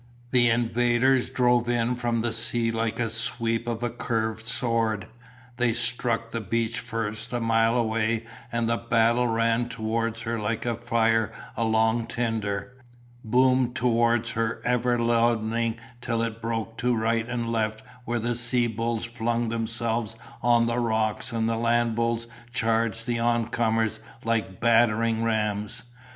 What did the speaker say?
The invaders drove in from the sea like the sweep of a curved sword. They struck the beach first a mile away and the battle ran towards her like fire along tinder, boomed towards her ever loudening till it broke to right and left where the sea bulls flung themselves on the rocks and the land bulls charged the on comers like battering rams.